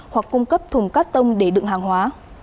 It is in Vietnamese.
hoặc cung cấp thùng cát tông để đựng hàng hóa